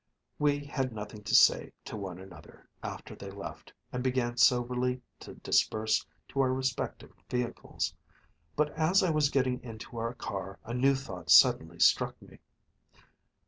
We had nothing to say to one another after they left, and began soberly to disperse to our respective vehicles. But as I was getting into our car a new thought suddenly struck me.